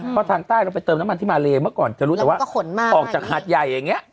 เพราะทางใต้เราไปเติมน้ำมันที่มาเลเมื่อก่อนจะรู้แต่ว่าออกจากหาดใหญ่อย่างนี้